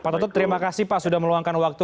terima kasih pak sudah meluangkan waktu